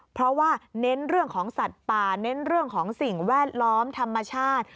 เพราะว่าเน้นเรื่องของสัตว์ป่าเน้นเรื่องของสิ่งแวดล้อมธรรมชาติ